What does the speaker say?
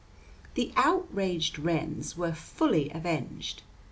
The outraged wrens were fully avenged.